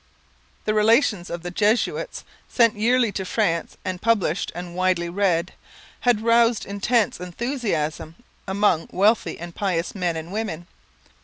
The Relations of the Jesuits, sent yearly to France and published and widely read, had roused intense enthusiasm among wealthy and pious men and women.